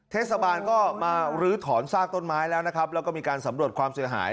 เทศบาลก็มาลื้อถอนซากต้นไม้แล้วนะครับแล้วก็มีการสำรวจความเสียหาย